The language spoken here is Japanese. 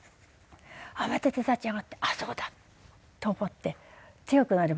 慌てて立ち上がって「あっそうだ！」と思って強くなりました。